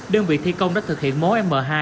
đơn vị thi công đã thực hiện mối m hai